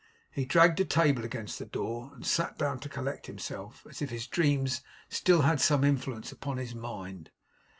He dragged a table against the door, and sat down to collect himself, as if his dreams still had some influence upon his mind.